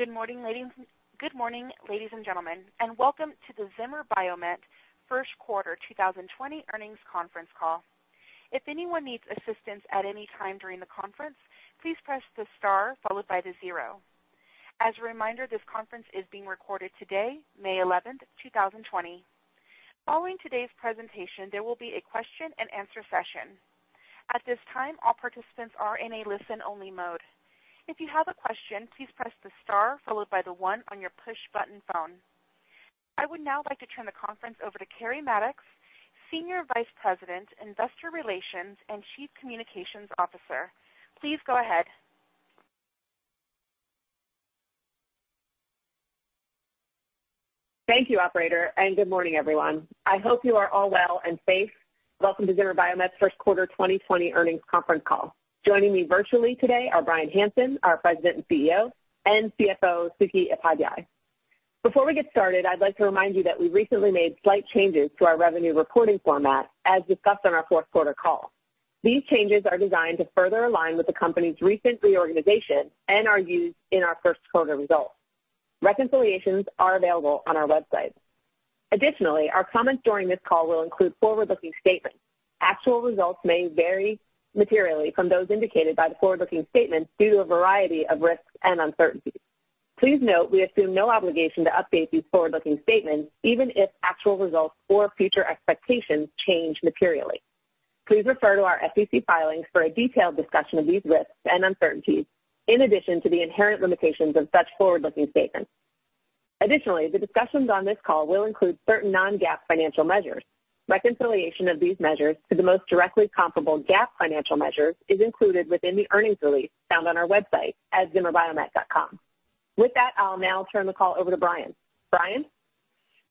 Good morning, ladies and gentlemen, and welcome to the Zimmer Biomet First Quarter 2020 earnings conference call. If anyone needs assistance at any time during the conference, please press the star followed by the zero. As a reminder, this conference is being recorded today, May 11th, 2020. Following today's presentation, there will be a question-and-answer session. At this time, all participants are in a listen-only mode. If you have a question, please press the star followed by the one on your push-button phone. I would now like to turn the conference over to Keri Mattox, Senior Vice President, Investor Relations and Chief Communications Officer. Please go ahead. Thank you, Operator, and good morning, everyone. I hope you are all well and safe. Welcome to Zimmer Biomet's First Quarter 2020 earnings conference call. Joining me virtually today are Bryan Hanson, our President and CEO, and CFO Suky Upadhyay. Before we get started, I'd like to remind you that we recently made slight changes to our revenue reporting format, as discussed on our Fourth Quarter call. These changes are designed to further align with the company's recent reorganization and are used in our First Quarter results. Reconciliations are available on our website. Additionally, our comments during this call will include forward-looking statements. Actual results may vary materially from those indicated by the forward-looking statements due to a variety of risks and uncertainties. Please note we assume no obligation to update these forward-looking statements, even if actual results or future expectations change materially. Please refer to our FTC filings for a detailed discussion of these risks and uncertainties, in addition to the inherent limitations of such forward-looking statements. Additionally, the discussions on this call will include certain non-GAAP financial measures. Reconciliation of these measures to the most directly comparable GAAP financial measures is included within the earnings release found on our website at zimmerbiomet.com. With that, I'll now turn the call over to Bryan. Bryan?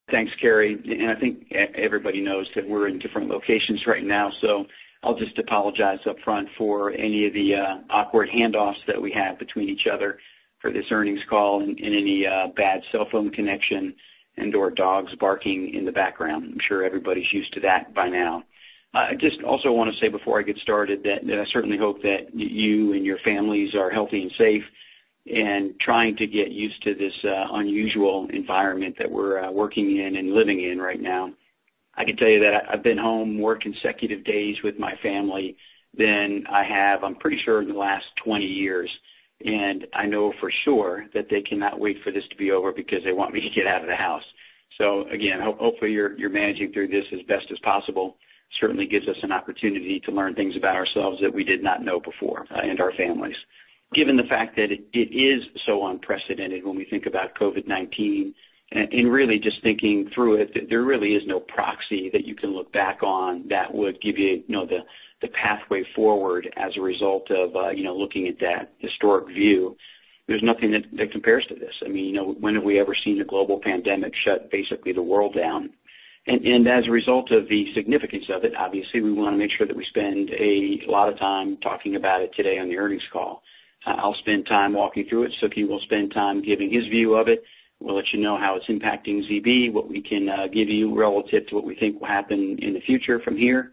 Thanks, Keri. I think everybody knows that we're in different locations right now, so I'll just apologize upfront for any of the awkward handoffs that we have between each other for this earnings call and any bad cell phone connection and/or dogs barking in the background. I'm sure everybody's used to that by now. I just also want to say before I get started that I certainly hope that you and your families are healthy and safe and trying to get used to this unusual environment that we're working in and living in right now. I can tell you that I've been home more consecutive days with my family than I have, I'm pretty sure, in the last 20 years. I know for sure that they cannot wait for this to be over because they want me to get out of the house. Again, hopefully you're managing through this as best as possible. It certainly gives us an opportunity to learn things about ourselves that we did not know before and our families. Given the fact that it is so unprecedented when we think about COVID-19 and really just thinking through it, there really is no proxy that you can look back on that would give you the pathway forward as a result of looking at that historic view. There's nothing that compares to this. I mean, when have we ever seen a global pandemic shut basically the world down? As a result of the significance of it, obviously we want to make sure that we spend a lot of time talking about it today on the earnings call. I'll spend time walking through it. Suky will spend time giving his view of it. We'll let you know how it's impacting ZB, what we can give you relative to what we think will happen in the future from here.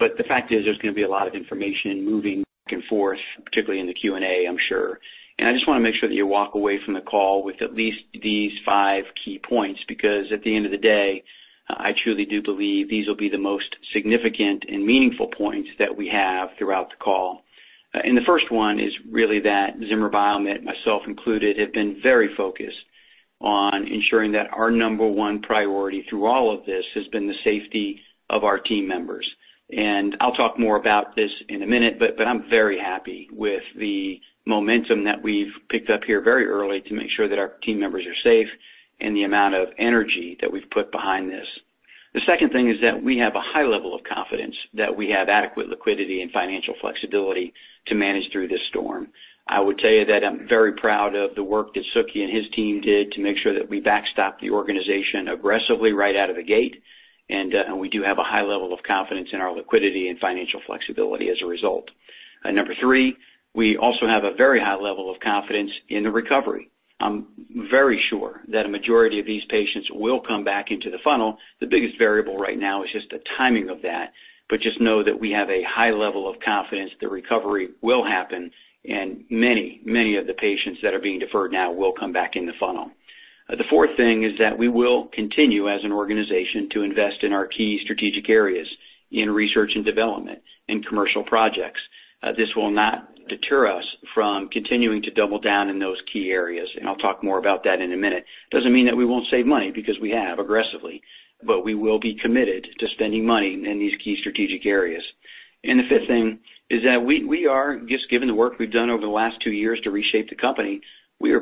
The fact is there's going to be a lot of information moving back and forth, particularly in the Q&A, I'm sure. I just want to make sure that you walk away from the call with at least these five key points because at the end of the day, I truly do believe these will be the most significant and meaningful points that we have throughout the call. The first one is really that Zimmer Biomet, myself included, have been very focused on ensuring that our number one priority through all of this has been the safety of our team members. I'll talk more about this in a minute, but I'm very happy with the momentum that we've picked up here very early to make sure that our team members are safe and the amount of energy that we've put behind this. The second thing is that we have a high level of confidence that we have adequate liquidity and financial flexibility to manage through this storm. I would tell you that I'm very proud of the work that Suky and his team did to make sure that we backstopped the organization aggressively right out of the gate. We do have a high level of confidence in our liquidity and financial flexibility as a result. Number three, we also have a very high level of confidence in the recovery. I'm very sure that a majority of these patients will come back into the funnel. The biggest variable right now is just the timing of that. Just know that we have a high level of confidence the recovery will happen and many, many of the patients that are being deferred now will come back in the funnel. The fourth thing is that we will continue as an organization to invest in our key strategic areas in research and development and commercial projects. This will not deter us from continuing to double down in those key areas. I will talk more about that in a minute. It does not mean that we will not save money because we have aggressively, but we will be committed to spending money in these key strategic areas. The fifth thing is that we are, just given the work we have done over the last two years to reshape the company,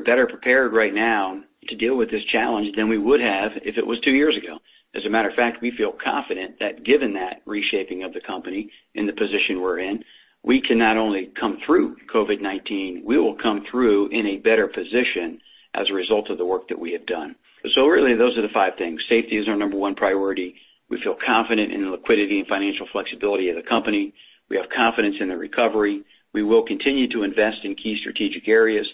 better prepared right now to deal with this challenge than we would have if it was two years ago. As a matter of fact, we feel confident that given that reshaping of the company and the position we are in, we can not only come through COVID-19, we will come through in a better position as a result of the work that we have done. Really, those are the five things. Safety is our number one priority. We feel confident in the liquidity and financial flexibility of the company. We have confidence in the recovery. We will continue to invest in key strategic areas.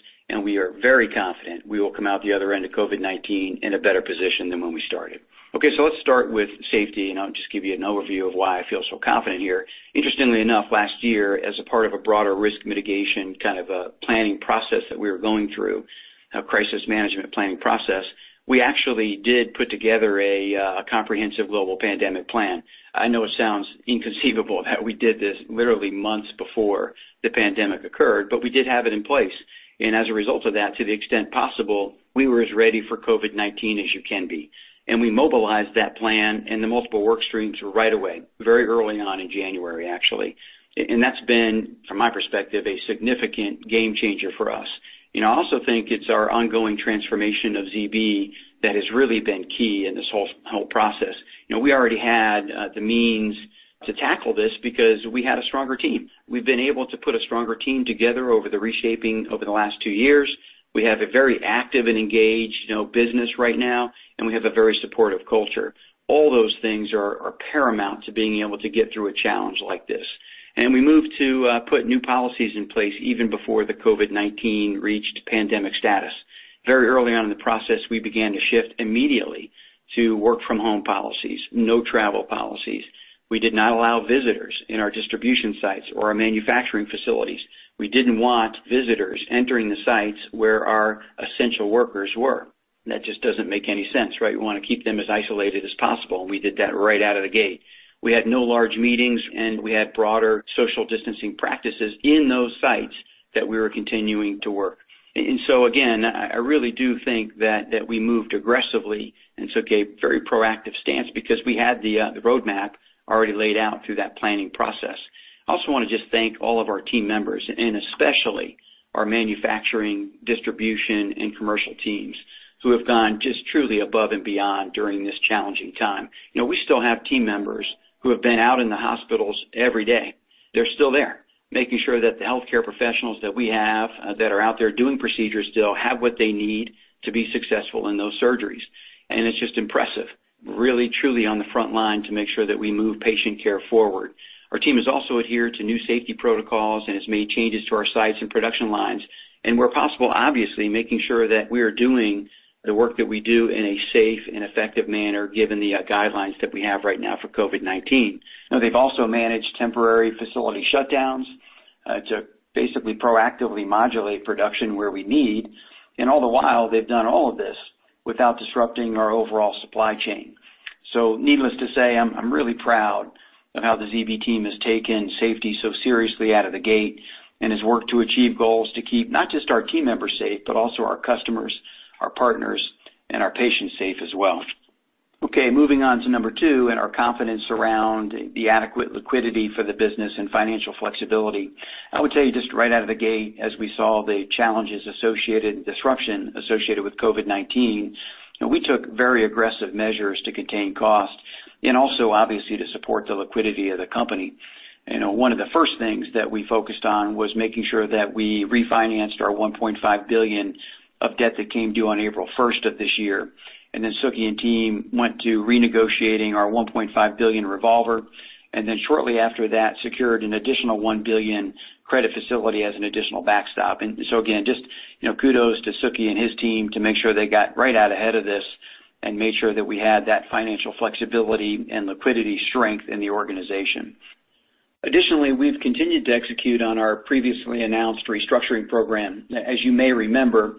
We are very confident we will come out the other end of COVID-19 in a better position than when we started. Let's start with safety. I'll just give you an overview of why I feel so confident here. Interestingly enough, last year, as a part of a broader risk mitigation kind of a planning process that we were going through, a crisis management planning process, we actually did put together a comprehensive global pandemic plan. I know it sounds inconceivable that we did this literally months before the pandemic occurred, but we did have it in place. As a result of that, to the extent possible, we were as ready for COVID-19 as you can be. We mobilized that plan and the multiple work streams right away, very early on in January, actually. That has been, from my perspective, a significant game changer for us. I also think it's our ongoing transformation of ZB that has really been key in this whole process. We already had the means to tackle this because we had a stronger team. We've been able to put a stronger team together over the reshaping over the last two years. We have a very active and engaged business right now. We have a very supportive culture. All those things are paramount to being able to get through a challenge like this. We moved to put new policies in place even before the COVID-19 reached pandemic status. Very early on in the process, we began to shift immediately to work-from-home policies, no travel policies. We did not allow visitors in our distribution sites or our manufacturing facilities. We did not want visitors entering the sites where our essential workers were. That just does not make any sense, right? We want to keep them as isolated as possible. We did that right out of the gate. We had no large meetings. We had broader social distancing practices in those sites that we were continuing to work. I really do think that we moved aggressively and took a very proactive stance because we had the roadmap already laid out through that planning process. I also want to just thank all of our team members and especially our manufacturing, distribution, and commercial teams who have gone just truly above and beyond during this challenging time. We still have team members who have been out in the hospitals every day. They're still there, making sure that the healthcare professionals that we have that are out there doing procedures still have what they need to be successful in those surgeries. It is just impressive, really, truly on the front line to make sure that we move patient care forward. Our team has also adhered to new safety protocols and has made changes to our sites and production lines. Where possible, obviously making sure that we are doing the work that we do in a safe and effective manner given the guidelines that we have right now for COVID-19. They have also managed temporary facility shutdowns to basically proactively modulate production where we need. All the while, they have done all of this without disrupting our overall supply chain. Needless to say, I'm really proud of how the ZB team has taken safety so seriously out of the gate and has worked to achieve goals to keep not just our team members safe, but also our customers, our partners, and our patients safe as well. Okay, moving on to number two and our confidence around the adequate liquidity for the business and financial flexibility. I would tell you just right out of the gate, as we saw the challenges associated and disruption associated with COVID-19, we took very aggressive measures to contain costs and also, obviously, to support the liquidity of the company. One of the first things that we focused on was making sure that we refinanced our $1.5 billion of debt that came due on April 1 of this year. Then Suky and team went to renegotiating our $1.5 billion revolver. Shortly after that, secured an additional $1 billion credit facility as an additional backstop. Again, just kudos to Suky and his team to make sure they got right out ahead of this and made sure that we had that financial flexibility and liquidity strength in the organization. Additionally, we've continued to execute on our previously announced restructuring program. As you may remember,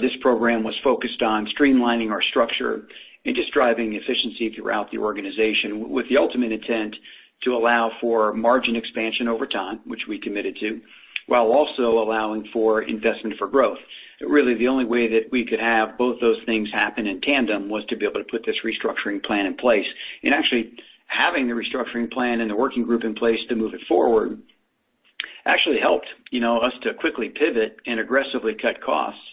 this program was focused on streamlining our structure and just driving efficiency throughout the organization with the ultimate intent to allow for margin expansion over time, which we committed to, while also allowing for investment for growth. Really, the only way that we could have both those things happen in tandem was to be able to put this restructuring plan in place. Actually, having the restructuring plan and the working group in place to move it forward actually helped us to quickly pivot and aggressively cut costs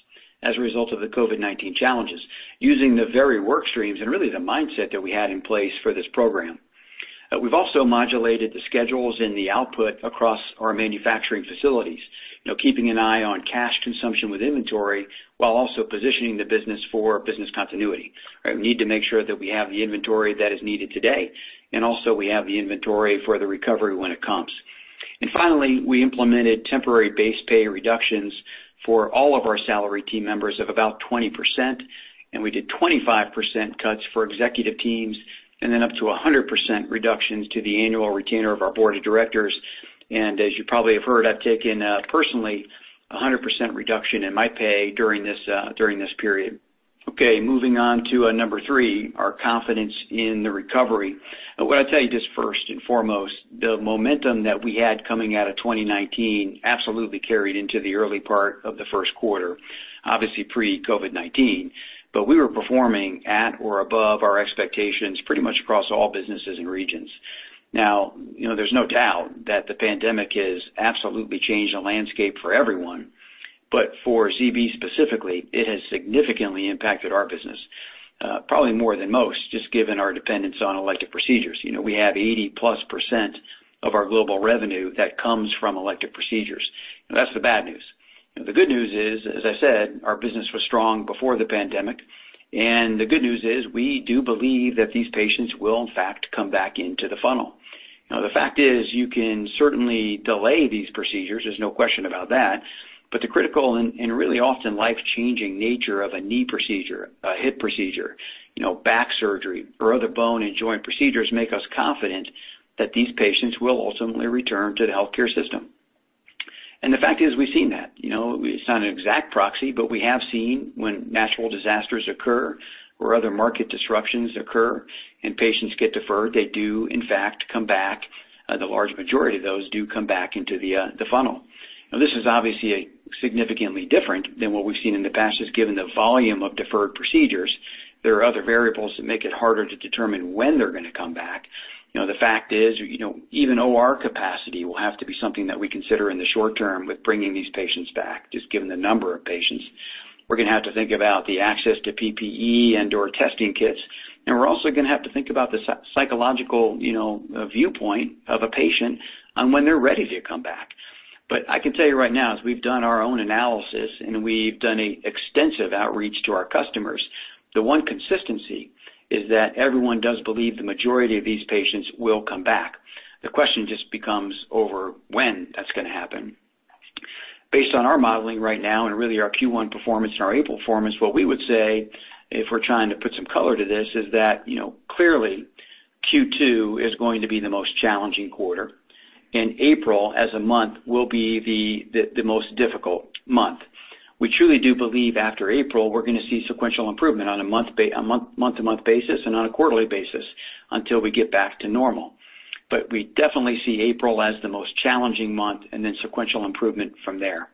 as a result of the COVID-19 challenges using the very work streams and really the mindset that we had in place for this program. We have also modulated the schedules and the output across our manufacturing facilities, keeping an eye on cash consumption with inventory while also positioning the business for business continuity. We need to make sure that we have the inventory that is needed today. Also, we have the inventory for the recovery when it comes. Finally, we implemented temporary base pay reductions for all of our salaried team members of about 20%. We did 25% cuts for executive teams and then up to 100% reductions to the annual retainer of our board of directors. As you probably have heard, I've taken personally a 100% reduction in my pay during this period. Moving on to number three, our confidence in the recovery. What I'll tell you just first and foremost, the momentum that we had coming out of 2019 absolutely carried into the early part of the first quarter, obviously pre-COVID-19. We were performing at or above our expectations pretty much across all businesses and regions. There is no doubt that the pandemic has absolutely changed the landscape for everyone. For Zimmer Biomet specifically, it has significantly impacted our business, probably more than most, just given our dependence on elective procedures. We have 80+% of our global revenue that comes from elective procedures. That's the bad news. The good news is, as I said, our business was strong before the pandemic. The good news is we do believe that these patients will, in fact, come back into the funnel. The fact is you can certainly delay these procedures. There's no question about that. The critical and really often life-changing nature of a knee procedure, a hip procedure, back surgery, or other bone and joint procedures makes us confident that these patients will ultimately return to the healthcare system. The fact is we've seen that. It's not an exact proxy, but we have seen when natural disasters occur or other market disruptions occur and patients get deferred, they do, in fact, come back. The large majority of those do come back into the funnel. This is obviously significantly different than what we've seen in the past, just given the volume of deferred procedures. There are other variables that make it harder to determine when they're going to come back. The fact is even OR capacity will have to be something that we consider in the short term with bringing these patients back, just given the number of patients. We're going to have to think about the access to PPE and/or testing kits. We're also going to have to think about the psychological viewpoint of a patient on when they're ready to come back. I can tell you right now, as we've done our own analysis and we've done extensive outreach to our customers, the one consistency is that everyone does believe the majority of these patients will come back. The question just becomes over when that's going to happen. Based on our modeling right now and really our Q1 performance and our April performance, what we would say if we're trying to put some color to this is that clearly Q2 is going to be the most challenging quarter. April, as a month, will be the most difficult month. We truly do believe after April, we're going to see sequential improvement on a month-to-month basis and on a quarterly basis until we get back to normal. We definitely see April as the most challenging month and then sequential improvement from there.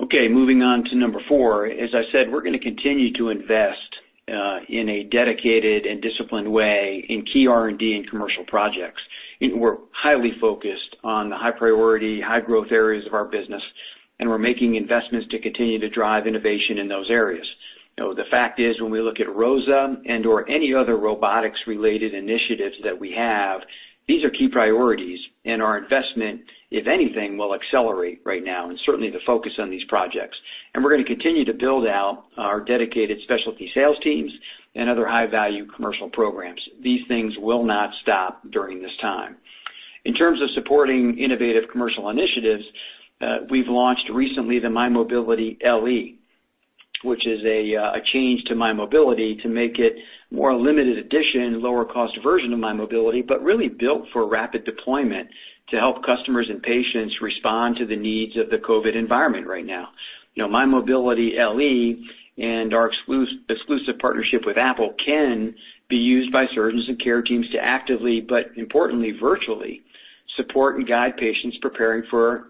Okay, moving on to number four. As I said, we're going to continue to invest in a dedicated and disciplined way in key R&D and commercial projects. We're highly focused on the high-priority, high-growth areas of our business. We're making investments to continue to drive innovation in those areas. The fact is, when we look at ROSA and/or any other robotics-related initiatives that we have, these are key priorities. Our investment, if anything, will accelerate right now and certainly the focus on these projects. We are going to continue to build out our dedicated specialty sales teams and other high-value commercial programs. These things will not stop during this time. In terms of supporting innovative commercial initiatives, we have launched recently the MyMobility LE, which is a change to MyMobility to make it a more limited edition, lower-cost version of MyMobility, but really built for rapid deployment to help customers and patients respond to the needs of the COVID environment right now. MyMobility LE and our exclusive partnership with Apple can be used by surgeons and care teams to actively, but importantly, virtually support and guide patients preparing for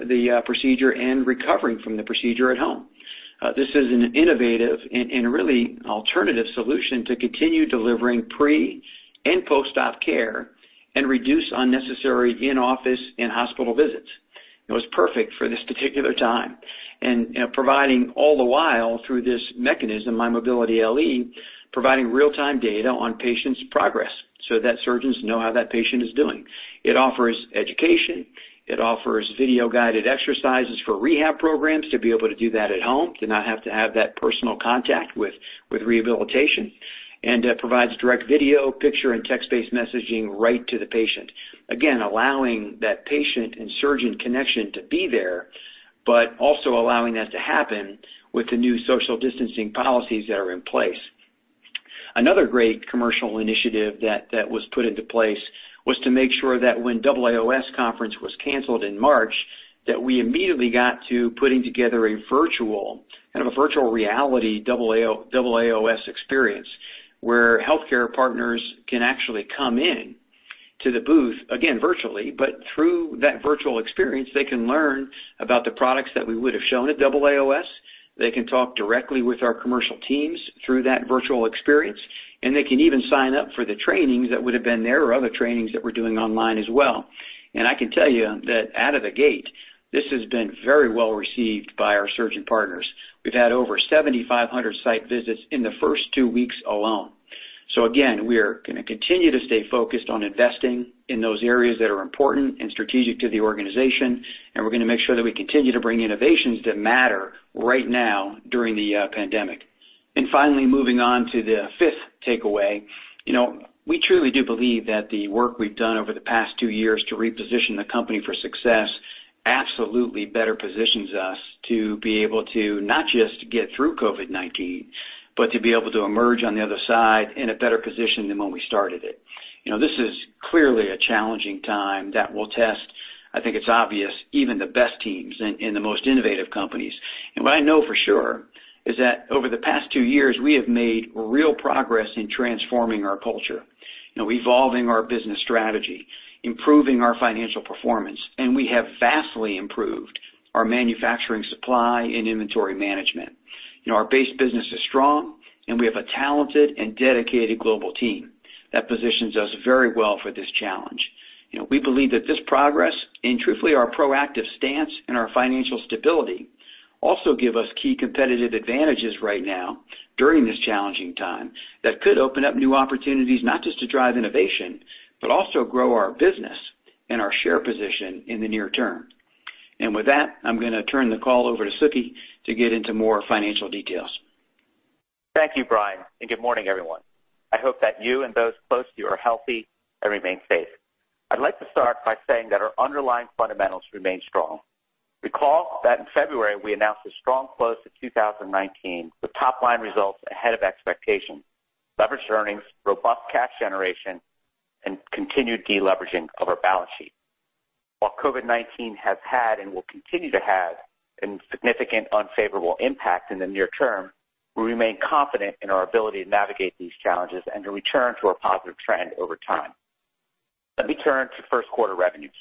the procedure and recovering from the procedure at home. This is an innovative and really alternative solution to continue delivering pre- and post-op care and reduce unnecessary in-office and hospital visits. It was perfect for this particular time. Providing all the while through this mechanism, MyMobility LE, providing real-time data on patients' progress so that surgeons know how that patient is doing. It offers education. It offers video-guided exercises for rehab programs to be able to do that at home, to not have to have that personal contact with rehabilitation. It provides direct video, picture, and text-based messaging right to the patient. Again, allowing that patient and surgeon connection to be there, but also allowing that to happen with the new social distancing policies that are in place. Another great commercial initiative that was put into place was to make sure that when AAOS conference was canceled in March, that we immediately got to putting together a virtual kind of a virtual reality AAOS experience where healthcare partners can actually come into the booth, again, virtually. Through that virtual experience, they can learn about the products that we would have shown at AAOS. They can talk directly with our commercial teams through that virtual experience. They can even sign up for the trainings that would have been there or other trainings that we are doing online as well. I can tell you that out of the gate, this has been very well received by our surgeon partners. We have had over 7,500 site visits in the first two weeks alone. We are going to continue to stay focused on investing in those areas that are important and strategic to the organization. We are going to make sure that we continue to bring innovations that matter right now during the pandemic. Finally, moving on to the fifth takeaway, we truly do believe that the work we have done over the past two years to reposition the company for success absolutely better positions us to be able to not just get through COVID-19, but to be able to emerge on the other side in a better position than when we started it. This is clearly a challenging time that will test, I think it is obvious, even the best teams and the most innovative companies. What I know for sure is that over the past two years, we have made real progress in transforming our culture, evolving our business strategy, improving our financial performance. We have vastly improved our manufacturing supply and inventory management. Our base business is strong. We have a talented and dedicated global team that positions us very well for this challenge. We believe that this progress and truthfully our proactive stance and our financial stability also give us key competitive advantages right now during this challenging time that could open up new opportunities not just to drive innovation, but also grow our business and our share position in the near term. With that, I'm going to turn the call over to Suky to get into more financial details. Thank you, Bryan. Good morning, everyone. I hope that you and those close to you are healthy and remain safe. I'd like to start by saying that our underlying fundamentals remain strong. Recall that in February, we announced a strong close to 2019 with top-line results ahead of expectations, leveraged earnings, robust cash generation, and continued deleveraging of our balance sheet. While COVID-19 has had and will continue to have a significant unfavorable impact in the near term, we remain confident in our ability to navigate these challenges and to return to a positive trend over time. Let me turn to first-quarter revenues.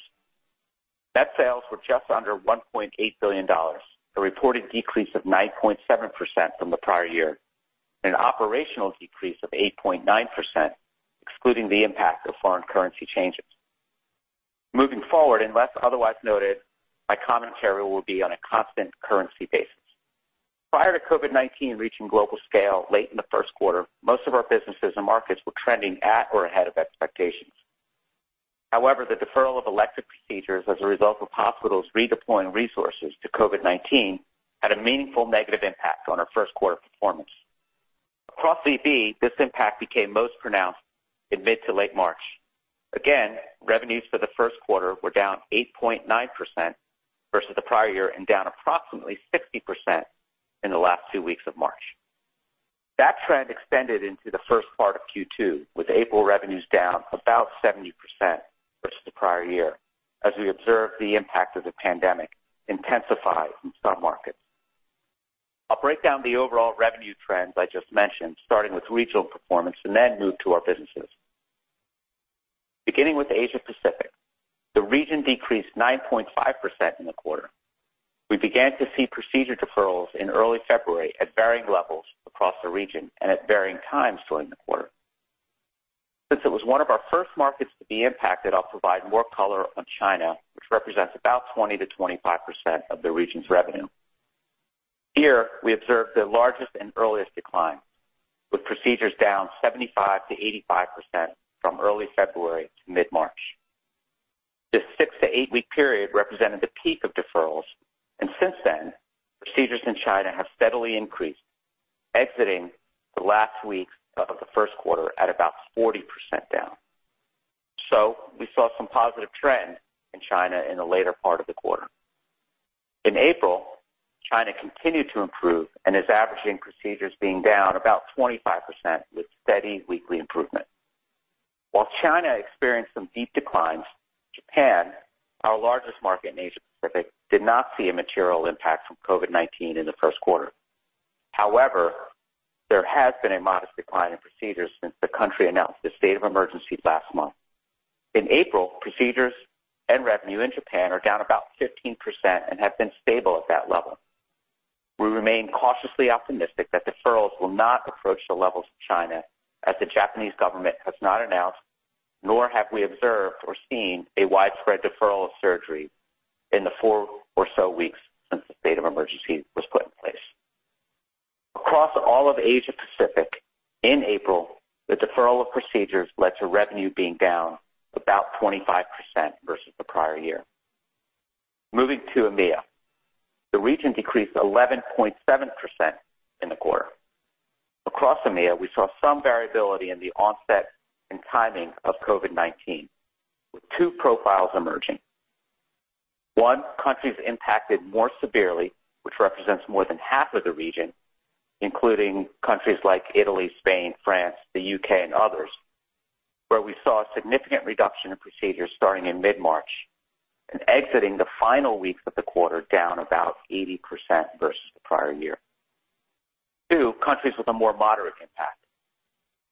Net sales were just under $1.8 billion, a reported decrease of 9.7% from the prior year, and an operational decrease of 8.9%, excluding the impact of foreign currency changes. Moving forward, unless otherwise noted, my commentary will be on a constant currency basis. Prior to COVID-19 reaching global scale late in the first quarter, most of our businesses and markets were trending at or ahead of expectations. However, the deferral of elective procedures as a result of hospitals redeploying resources to COVID-19 had a meaningful negative impact on our first-quarter performance. Across Zimmer Biomet, this impact became most pronounced in mid to late March. Again, revenues for the first quarter were down 8.9% versus the prior year and down approximately 60% in the last two weeks of March. That trend extended into the first part of Q2, with April revenues down about 70% versus the prior year as we observed the impact of the pandemic intensify in some markets. I'll break down the overall revenue trends I just mentioned, starting with regional performance and then move to our businesses. Beginning with Asia-Pacific, the region decreased 9.5% in the quarter. We began to see procedure deferrals in early February at varying levels across the region and at varying times during the quarter. Since it was one of our first markets to be impacted, I'll provide more color on China, which represents about 20%-25% of the region's revenue. Here, we observed the largest and earliest decline, with procedures down 75%-85% from early February to mid-March. This six to eight-week period represented the peak of deferrals. Since then, procedures in China have steadily increased, exiting the last weeks of the first quarter at about 40% down. We saw some positive trends in China in the later part of the quarter. In April, China continued to improve and is averaging procedures being down about 25% with steady weekly improvement. While China experienced some deep declines, Japan, our largest market in Asia-Pacific, did not see a material impact from COVID-19 in the first quarter. However, there has been a modest decline in procedures since the country announced the state of emergency last month. In April, procedures and revenue in Japan are down about 15% and have been stable at that level. We remain cautiously optimistic that deferrals will not approach the levels of China as the Japanese government has not announced, nor have we observed or seen a widespread deferral of surgery in the four or so weeks since the state of emergency was put in place. Across all of Asia-Pacific, in April, the deferral of procedures led to revenue being down about 25% versus the prior year. Moving to EMEA, the region decreased 11.7% in the quarter. Across EMEA, we saw some variability in the onset and timing of COVID-19, with two profiles emerging. One, countries impacted more severely, which represents more than half of the region, including countries like Italy, Spain, France, the U.K., and others, where we saw a significant reduction in procedures starting in mid-March and exiting the final weeks of the quarter down about 80% versus the prior year. Two, countries with a more moderate impact.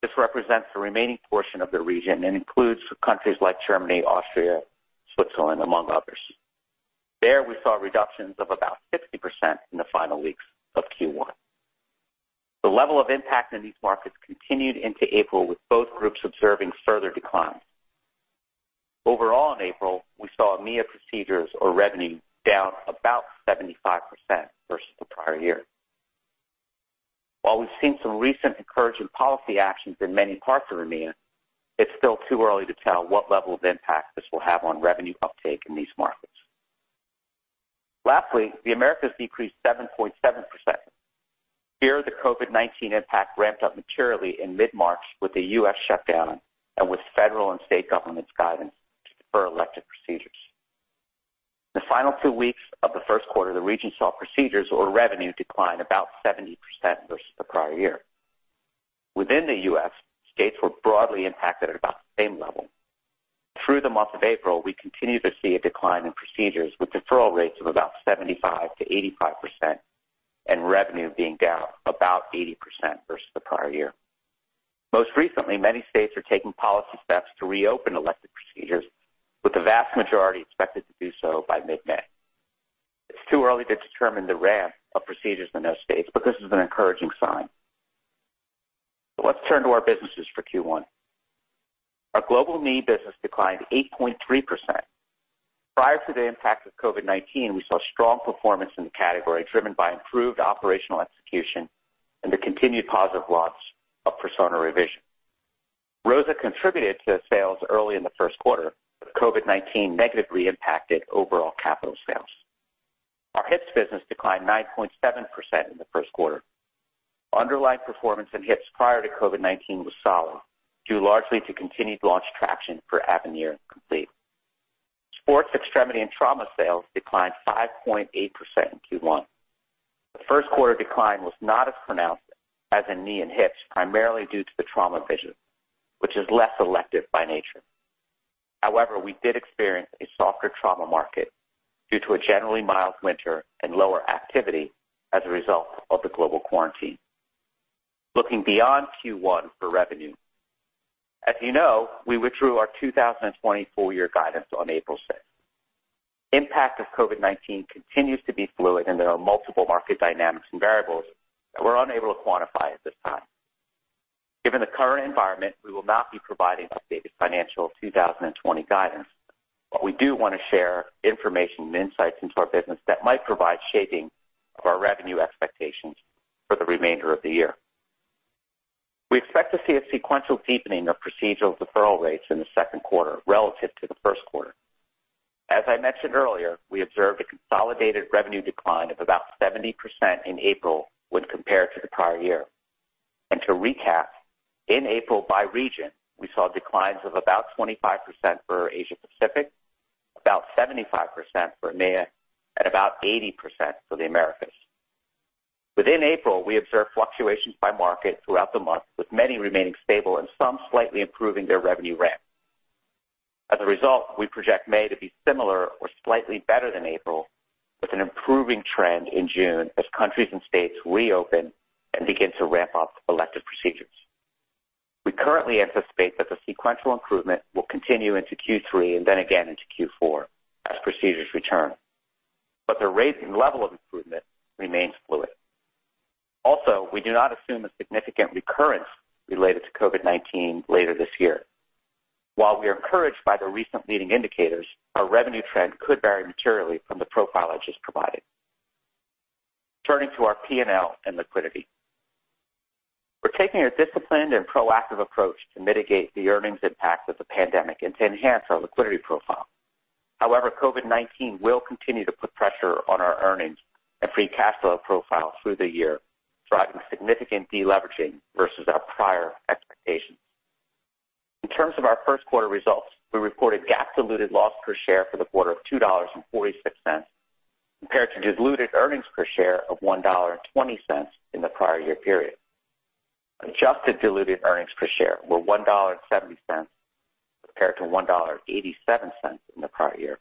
This represents the remaining portion of the region and includes countries like Germany, Austria, Switzerland, among others. There, we saw reductions of about 50% in the final weeks of Q1. The level of impact in these markets continued into April, with both groups observing further declines. Overall, in April, we saw EMEA procedures or revenue down about 75% versus the prior year. While we've seen some recent encouraging policy actions in many parts of EMEA, it's still too early to tell what level of impact this will have on revenue uptake in these markets. Lastly, the Americas decreased 7.7%. Here, the COVID-19 impact ramped up materially in mid-March with the U.S. shutdown and with federal and state governments' guidance to defer elective procedures. In the final two weeks of the first quarter, the region saw procedures or revenue decline about 70% versus the prior year. Within the U.S., states were broadly impacted at about the same level. Through the month of April, we continue to see a decline in procedures with deferral rates of about 75%-85% and revenue being down about 80% versus the prior year. Most recently, many states are taking policy steps to reopen elective procedures, with the vast majority expected to do so by mid-May. It's too early to determine the ramp of procedures in those states, but this is an encouraging sign. Let's turn to our businesses for Q1. Our global knee business declined 8.3%. Prior to the impact of COVID-19, we saw strong performance in the category driven by improved operational execution and the continued positive launch of Persona Revision. ROSA contributed to sales early in the first quarter, but COVID-19 negatively impacted overall capital sales. Our hips business declined 9.7% in the first quarter. Underlying performance in hips prior to COVID-19 was solid, due largely to continued launch traction for Avenir and Complete. Sports, extremity, and trauma sales declined 5.8% in Q1. The first quarter decline was not as pronounced as in knee and hips, primarily due to the trauma division, which is less elective by nature. However, we did experience a softer trauma market due to a generally mild winter and lower activity as a result of the global quarantine. Looking beyond Q1 for revenue, as you know, we withdrew our 2024 year guidance on April 6th. The impact of COVID-19 continues to be fluid, and there are multiple market dynamics and variables that we're unable to quantify at this time. Given the current environment, we will not be providing updated financial 2020 guidance. We do want to share information and insights into our business that might provide shaping of our revenue expectations for the remainder of the year. We expect to see a sequential deepening of procedural deferral rates in the second quarter relative to the first quarter. As I mentioned earlier, we observed a consolidated revenue decline of about 70% in April when compared to the prior year. To recap, in April, by region, we saw declines of about 25% for Asia-Pacific, about 75% for EMEA, and about 80% for the Americas. Within April, we observed fluctuations by market throughout the month, with many remaining stable and some slightly improving their revenue ramp. As a result, we project May to be similar or slightly better than April, with an improving trend in June as countries and states reopen and begin to ramp up elective procedures. We currently anticipate that the sequential improvement will continue into Q3 and then again into Q4 as procedures return. The rate and level of improvement remains fluid. Also, we do not assume a significant recurrence related to COVID-19 later this year. While we are encouraged by the recent leading indicators, our revenue trend could vary materially from the profile I just provided. Turning to our P&L and liquidity, we're taking a disciplined and proactive approach to mitigate the earnings impact of the pandemic and to enhance our liquidity profile. However, COVID-19 will continue to put pressure on our earnings and free cash flow profile through the year, driving significant deleveraging versus our prior expectations. In terms of our first quarter results, we reported GAAP diluted loss per share for the quarter of $2.46 compared to diluted earnings per share of $1.20 in the prior year period. Adjusted diluted earnings per share were $1.70 compared to $1.87 in the prior year.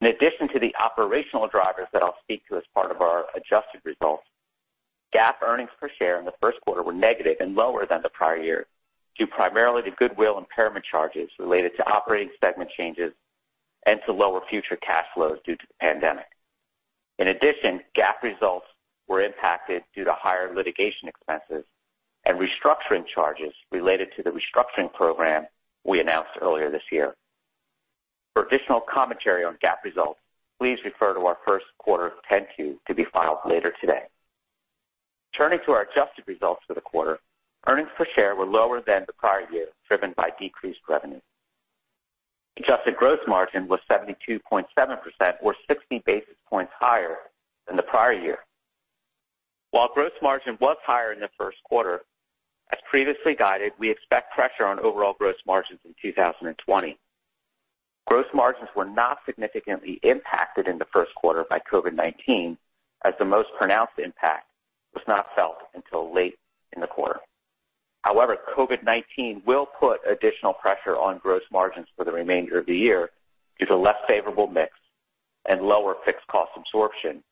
In addition to the operational drivers that I'll speak to as part of our adjusted results, GAAP earnings per share in the first quarter were negative and lower than the prior year due primarily to goodwill impairment charges related to operating segment changes and to lower future cash flows due to the pandemic. In addition, GAAP results were impacted due to higher litigation expenses and restructuring charges related to the restructuring program we announced earlier this year. For additional commentary on GAAP results, please refer to our first quarter 10Q to be filed later today. Turning to our adjusted results for the quarter, earnings per share were lower than the prior year, driven by decreased revenue. Adjusted gross margin was 72.7%, or 60 basis points higher than the prior year. While gross margin was higher in the first quarter, as previously guided, we expect pressure on overall gross margins in 2020. Gross margins were not significantly impacted in the first quarter by COVID-19, as the most pronounced impact was not felt until late in the quarter. However, COVID-19 will put additional pressure on gross margins for the remainder of the year due to less favorable mix and lower fixed cost absorption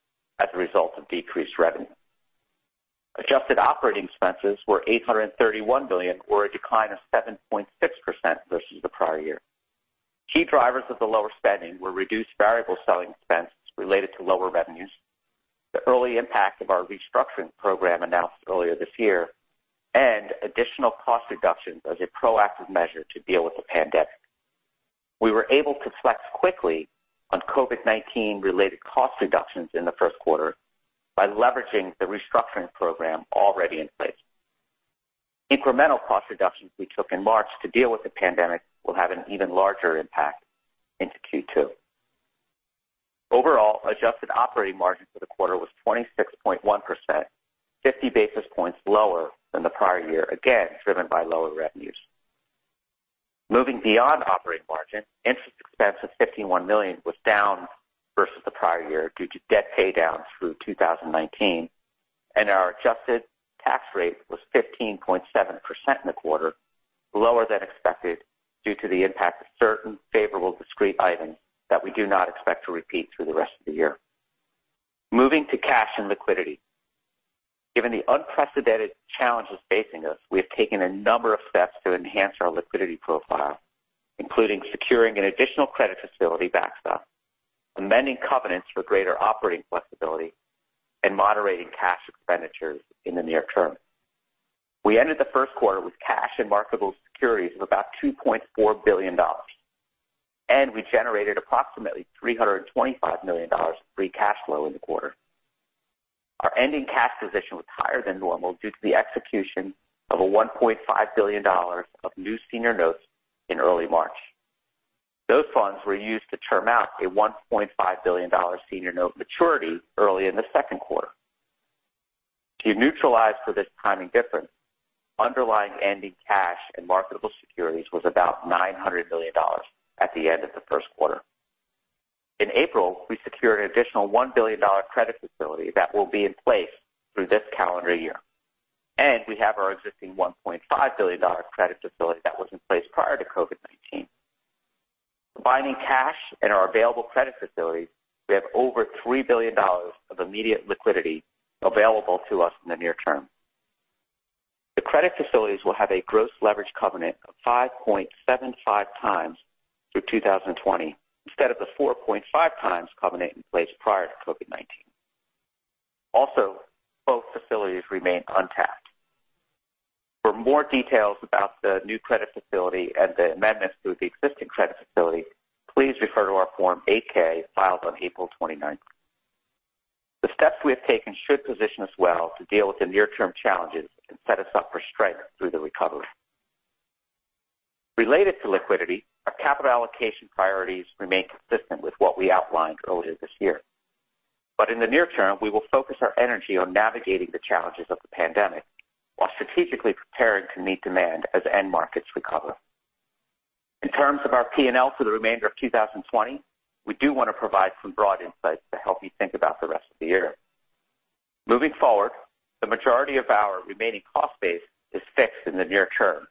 as a result of decreased revenue. Adjusted operating expenses were $831 million, or a decline of 7.6% versus the prior year. Key drivers of the lower spending were reduced variable selling expenses related to lower revenues, the early impact of our restructuring program announced earlier this year, and additional cost reductions as a proactive measure to deal with the pandemic. We were able to flex quickly on COVID-19-related cost reductions in the first quarter by leveraging the restructuring program already in place. Incremental cost reductions we took in March to deal with the pandemic will have an even larger impact into Q2. Overall, adjusted operating margin for the quarter was 26.1%, 50 basis points lower than the prior year, again driven by lower revenues. Moving beyond operating margin, interest expense of $51 million was down versus the prior year due to debt paydowns through 2019. Our adjusted tax rate was 15.7% in the quarter, lower than expected due to the impact of certain favorable discrete items that we do not expect to repeat through the rest of the year. Moving to cash and liquidity. Given the unprecedented challenges facing us, we have taken a number of steps to enhance our liquidity profile, including securing an additional credit facility backstop, amending covenants for greater operating flexibility, and moderating cash expenditures in the near term. We ended the first quarter with cash and marketable securities of about $2.4 billion, and we generated approximately $325 million in free cash flow in the quarter. Our ending cash position was higher than normal due to the execution of $1.5 billion of new senior notes in early March. Those funds were used to term out a $1.5 billion senior note maturity early in the second quarter. To neutralize for this timing difference, underlying ending cash and marketable securities was about $900 million at the end of the first quarter. In April, we secured an additional $1 billion credit facility that will be in place through this calendar year. We have our existing $1.5 billion credit facility that was in place prior to COVID-19. Combining cash and our available credit facilities, we have over $3 billion of immediate liquidity available to us in the near term. The credit facilities will have a gross leverage covenant of 5.75x through 2020 instead of the 4.5x covenant in place prior to COVID-19. Also, both facilities remain untapped. For more details about the new credit facility and the amendments to the existing credit facility, please refer to our Form 8-K filed on April 29th. The steps we have taken should position us well to deal with the near-term challenges and set us up for strength through the recovery. Related to liquidity, our capital allocation priorities remain consistent with what we outlined earlier this year. In the near term, we will focus our energy on navigating the challenges of the pandemic while strategically preparing to meet demand as end markets recover. In terms of our P&L for the remainder of 2020, we do want to provide some broad insights to help you think about the rest of the year. Moving forward, the majority of our remaining cost base is fixed in the near term.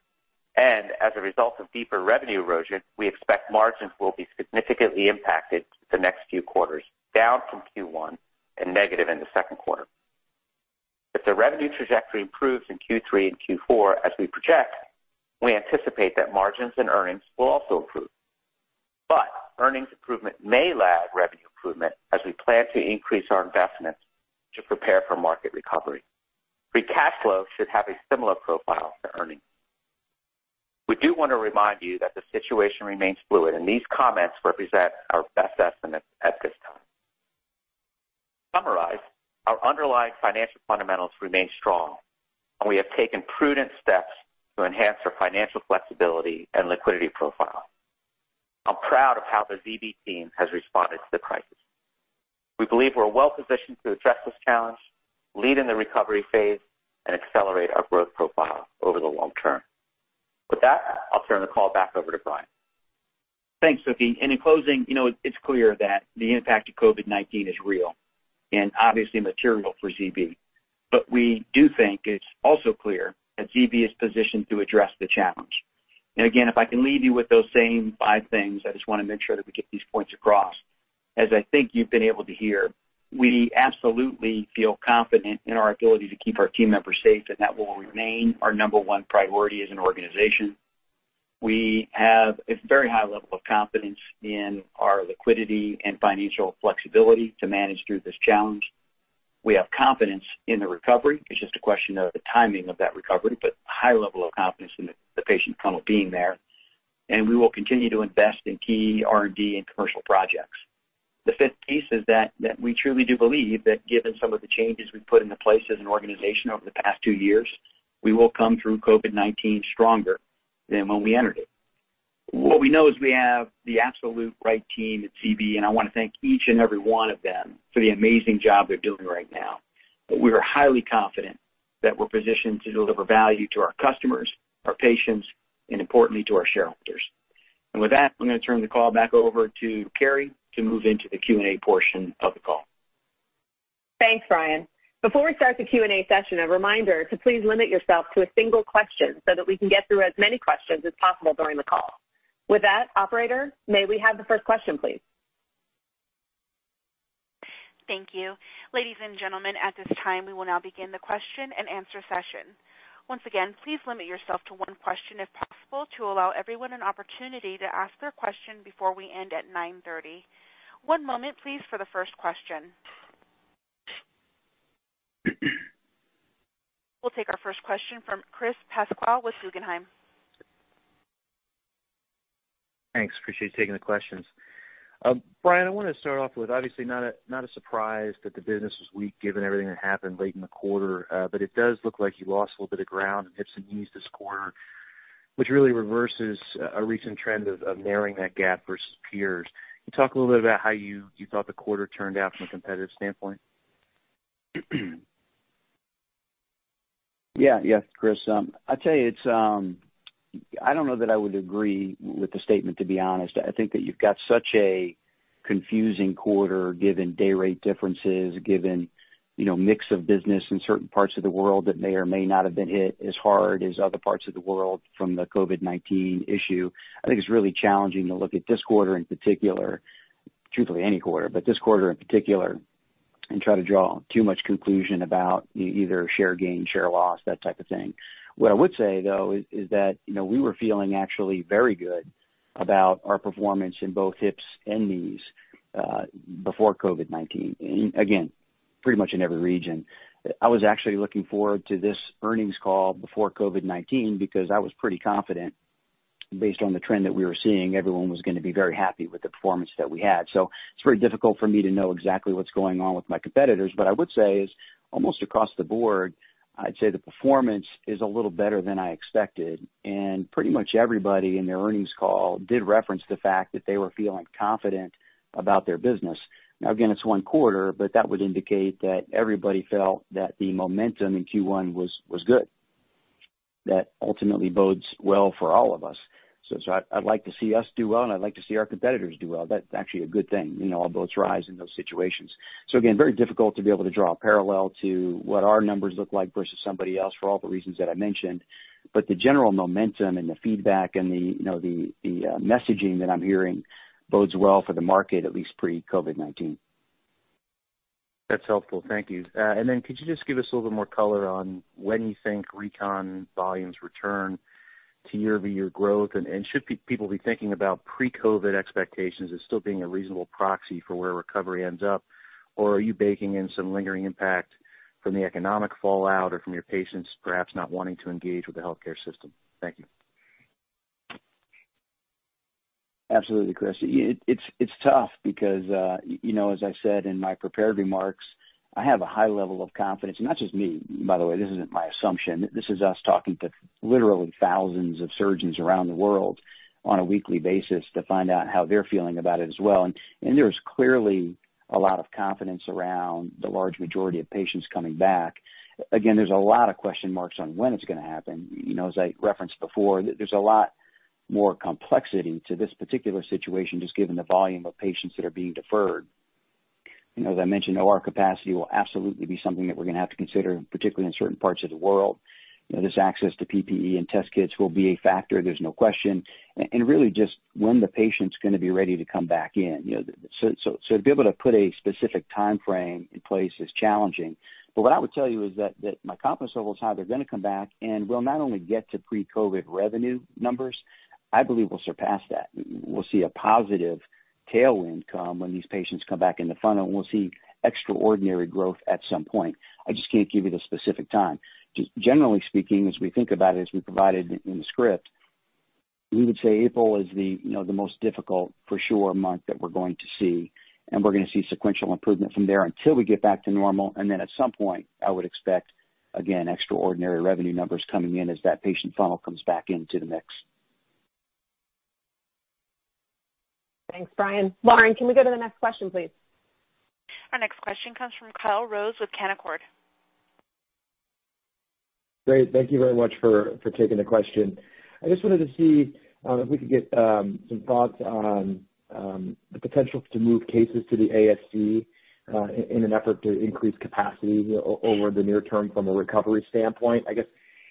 As a result of deeper revenue erosion, we expect margins will be significantly impacted the next few quarters, down from Q1 and negative in the second quarter. If the revenue trajectory improves in Q3 and Q4, as we project, we anticipate that margins and earnings will also improve. Earnings improvement may lag revenue improvement as we plan to increase our investments to prepare for market recovery. Free cash flow should have a similar profile to earnings. We do want to remind you that the situation remains fluid, and these comments represent our best estimates at this time. To summarize, our underlying financial fundamentals remain strong, and we have taken prudent steps to enhance our financial flexibility and liquidity profile. I'm proud of how the ZB team has responded to the crisis. We believe we're well positioned to address this challenge, lead in the recovery phase, and accelerate our growth profile over the long term. With that, I'll turn the call back over to Bryan. Thanks, Suky. In closing, it's clear that the impact of COVID-19 is real and obviously material for Zimmer Biomet. We do think it's also clear that Zimmer Biomet is positioned to address the challenge. Again, if I can leave you with those same five things, I just want to make sure that we get these points across. As I think you've been able to hear, we absolutely feel confident in our ability to keep our team members safe and that will remain our number one priority as an organization. We have a very high level of confidence in our liquidity and financial flexibility to manage through this challenge. We have confidence in the recovery. is just a question of the timing of that recovery, but a high level of confidence in the patient tunnel being there. We will continue to invest in key R&D and commercial projects. The fifth piece is that we truly do believe that given some of the changes we have put into place as an organization over the past two years, we will come through COVID-19 stronger than when we entered it. What we know is we have the absolute right team at Zimmer Biomet, and I want to thank each and every one of them for the amazing job they are doing right now. We are highly confident that we are positioned to deliver value to our customers, our patients, and importantly, to our shareholders. With that, I am going to turn the call back over to Keri to move into the Q&A portion of the call. Thanks, Bryan. Before we start the Q&A session, a reminder to please limit yourself to a single question so that we can get through as many questions as possible during the call. With that, Operator, may we have the first question, please? Thank you. Ladies and gentlemen, at this time, we will now begin the question and answer session. Once again, please limit yourself to one question if possible to allow everyone an opportunity to ask their question before we end at 9:30. One moment, please, for the first question. We'll take our first question from Chris Pasquale with Guggenheim. Thanks. Appreciate you taking the questions. Bryan, I want to start off with, obviously, not a surprise that the business was weak given everything that happened late in the quarter. It does look like you lost a little bit of ground in hips and knees this quarter, which really reverses a recent trend of narrowing that gap versus peers. Can you talk a little bit about how you thought the quarter turned out from a competitive standpoint? Yeah. Yes, Chris. I'll tell you, I don't know that I would agree with the statement, to be honest. I think that you've got such a confusing quarter given day-rate differences, given a mix of business in certain parts of the world that may or may not have been hit as hard as other parts of the world from the COVID-19 issue. I think it's really challenging to look at this quarter in particular, truthfully any quarter, but this quarter in particular, and try to draw too much conclusion about either share gain, share loss, that type of thing. What I would say, though, is that we were feeling actually very good about our performance in both hips and knees before COVID-19. Again, pretty much in every region. I was actually looking forward to this earnings call before COVID-19 because I was pretty confident based on the trend that we were seeing, everyone was going to be very happy with the performance that we had. It is very difficult for me to know exactly what is going on with my competitors. I would say, almost across the board, the performance is a little better than I expected. Pretty much everybody in their earnings call did reference the fact that they were feeling confident about their business. Now, again, it is one quarter, but that would indicate that everybody felt that the momentum in Q1 was good, that ultimately bodes well for all of us. I'd like to see us do well, and I'd like to see our competitors do well. That's actually a good thing. All boats rise in those situations. Again, very difficult to be able to draw a parallel to what our numbers look like versus somebody else for all the reasons that I mentioned. The general momentum and the feedback and the messaging that I'm hearing bodes well for the market, at least pre-COVID-19. That's helpful. Thank you. Could you just give us a little bit more color on when you think recon volumes return to year-over-year growth? Should people be thinking about pre-COVID expectations as still being a reasonable proxy for where recovery ends up? Or are you baking in some lingering impact from the economic fallout or from your patients perhaps not wanting to engage with the healthcare system? Thank you. Absolutely, Chris. It's tough because, as I said in my prepared remarks, I have a high level of confidence. Not just me, by the way. This isn't my assumption. This is us talking to literally thousands of surgeons around the world on a weekly basis to find out how they're feeling about it as well. There's clearly a lot of confidence around the large majority of patients coming back. There's a lot of question marks on when it's going to happen. As I referenced before, there's a lot more complexity to this particular situation just given the volume of patients that are being deferred. As I mentioned, OR capacity will absolutely be something that we're going to have to consider, particularly in certain parts of the world. This access to PPE and test kits will be a factor, there's no question. Really just when the patient's going to be ready to come back in. To be able to put a specific time frame in place is challenging. What I would tell you is that my confidence level is high. They're going to come back and will not only get to pre-COVID revenue numbers, I believe we'll surpass that. We'll see a positive tailwind come when these patients come back in the funnel, and we'll see extraordinary growth at some point. I just can't give you the specific time. Generally speaking, as we think about it, as we provided in the script, we would say April is the most difficult, for sure, month that we're going to see. We're going to see sequential improvement from there until we get back to normal. At some point, I would expect, again, extraordinary revenue numbers coming in as that patient funnel comes back into the mix. Thanks, Bryan. Lauren, can we go to the next question, please? Our next question comes from Kyle Rose with Canaccord. Great. Thank you very much for taking the question. I just wanted to see if we could get some thoughts on the potential to move cases to the ASC in an effort to increase capacity over the near term from a recovery standpoint, I guess.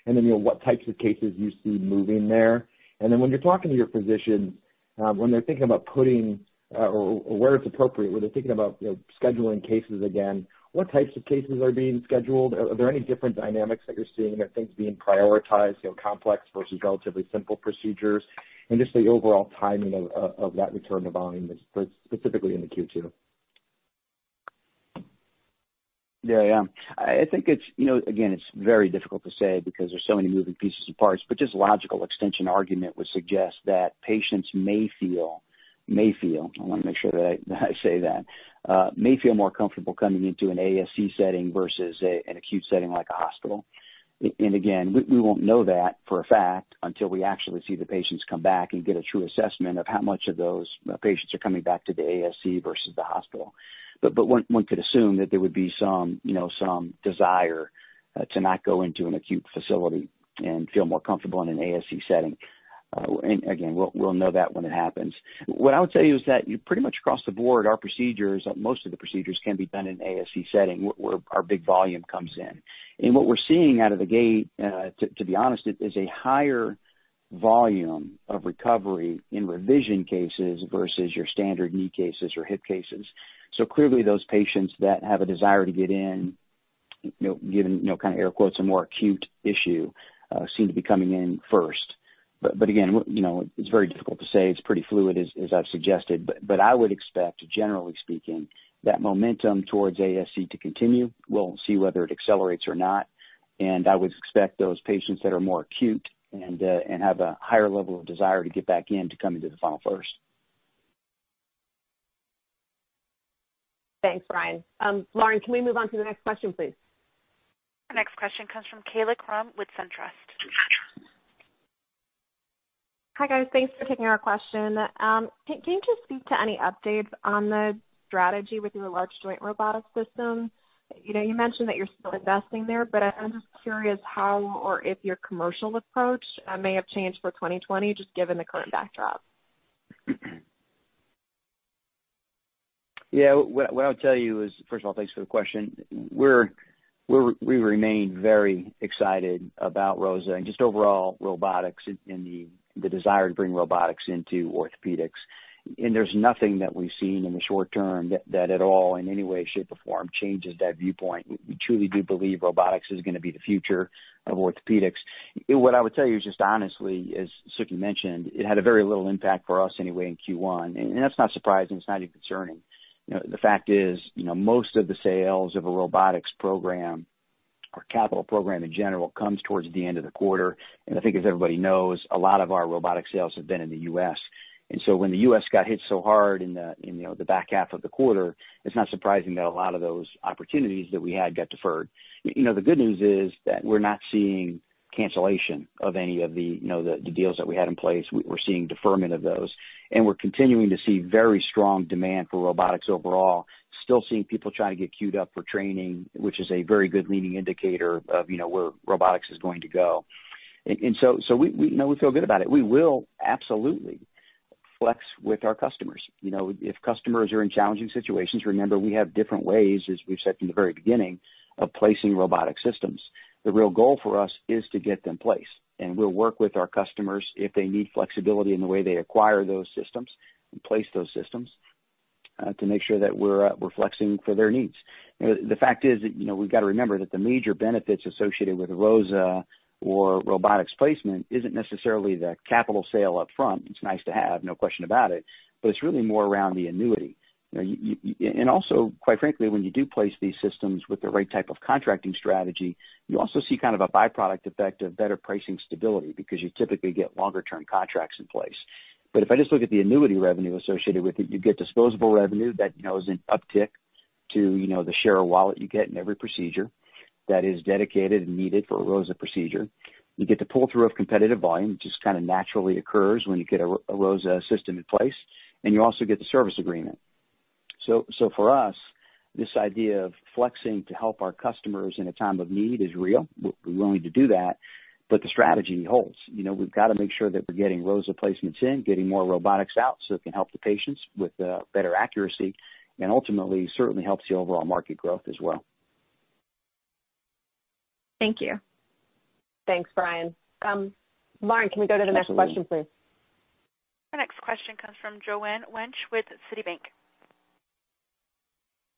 What types of cases do you see moving there? When you're talking to your physicians, when they're thinking about putting or where it's appropriate, when they're thinking about scheduling cases again, what types of cases are being scheduled? Are there any different dynamics that you're seeing? Are things being prioritized, complex versus relatively simple procedures? Just the overall timing of that return to volume, specifically in the Q2. Yeah, yeah. I think, again, it's very difficult to say because there's so many moving pieces and parts. Just logical extension argument would suggest that patients may feel—I want to make sure that I say that—may feel more comfortable coming into an ASC setting versus an acute setting like a hospital. Again, we won't know that for a fact until we actually see the patients come back and get a true assessment of how much of those patients are coming back to the ASC versus the hospital. One could assume that there would be some desire to not go into an acute facility and feel more comfortable in an ASC setting. Again, we'll know that when it happens. What I would say is that pretty much across the board, most of the procedures can be done in an ASC setting where our big volume comes in. What we're seeing out of the gate, to be honest, is a higher volume of recovery in revision cases versus your standard knee cases or hip cases. Clearly, those patients that have a desire to get in, given kind of air quotes, a more acute issue, seem to be coming in first. Again, it's very difficult to say. It's pretty fluid, as I've suggested. I would expect, generally speaking, that momentum towards ASC to continue. We'll see whether it accelerates or not. I would expect those patients that are more acute and have a higher level of desire to get back in to come into the funnel first. Thanks, Bryan. Lauren, can we move on to the next question, please? Our next question comes from Kaila Krum with SunTrust. Hi, guys. Thanks for taking our question. Can you just speak to any updates on the strategy with your large joint robotics system? You mentioned that you're still investing there, but I'm just curious how or if your commercial approach may have changed for 2020, just given the current backdrop. Yeah. What I'll tell you is, first of all, thanks for the question. We remain very excited about ROSA and just overall robotics and the desire to bring robotics into orthopedics. There is nothing that we've seen in the short term that at all, in any way, shape, or form, changes that viewpoint. We truly do believe robotics is going to be the future of orthopedics. What I would tell you is just honestly, as Suky mentioned, it had a very little impact for us anyway in Q1. That is not surprising. It is not even concerning. The fact is most of the sales of a robotics program or capital program in general comes towards the end of the quarter. I think, as everybody knows, a lot of our robotic sales have been in the U.S. When the U.S. got hit so hard in the back half of the quarter, it is not surprising that a lot of those opportunities that we had got deferred. The good news is that we are not seeing cancellation of any of the deals that we had in place. We are seeing deferment of those. We are continuing to see very strong demand for robotics overall, still seeing people trying to get queued up for training, which is a very good leading indicator of where robotics is going to go. We feel good about it. We will absolutely flex with our customers. If customers are in challenging situations, remember, we have different ways, as we have said from the very beginning, of placing robotic systems. The real goal for us is to get them placed. We will work with our customers if they need flexibility in the way they acquire those systems and place those systems to make sure that we are flexing for their needs. The fact is that we have to remember that the major benefits associated with ROSA or robotics placement are not necessarily the capital sale upfront. It is nice to have, no question about it. It is really more around the annuity. Quite frankly, when you do place these systems with the right type of contracting strategy, you also see kind of a byproduct effect of better pricing stability because you typically get longer-term contracts in place. If I just look at the annuity revenue associated with it, you get disposable revenue that is an uptick to the share of wallet you get in every procedure that is dedicated and needed for a ROSA procedure. You get the pull-through of competitive volume, which just kind of naturally occurs when you get a ROSA system in place. You also get the service agreement. For us, this idea of flexing to help our customers in a time of need is real. We're willing to do that. The strategy holds. We've got to make sure that we're getting ROSA placements in, getting more robotics out so it can help the patients with better accuracy. It certainly helps the overall market growth as well. Thank you. Thanks, Bryan. Lauren, can we go to the next question, please? Our next question comes from Joanne Wuensch with Citibank.